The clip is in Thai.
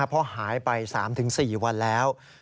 เพราะหายไป๓๔วันแล้ว